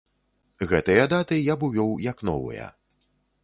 Гэтыя даты я б увёў як новыя.